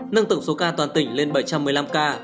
nâng tổng số ca toàn tỉnh lên bảy trăm một mươi năm ca